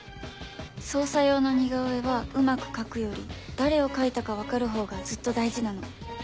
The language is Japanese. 捜査用の似顔絵はうまく描くより誰を描いたか分かるほうがずっと大事なの。